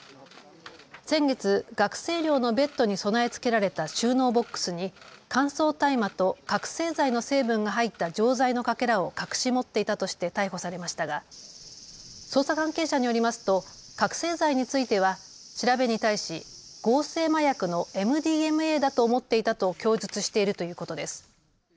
先月、学生寮のベッドに備え付けられた収納ボックスに乾燥大麻と覚醒剤の成分が入った錠剤のかけらを隠し持っていたとして逮捕されましたが捜査関係者によりますと覚醒剤については調べに対し合成麻薬のＭＤＭＡだと思っていたと供述しているということです。